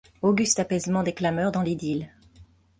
Auguste apaisement des clameurs dans l’idylle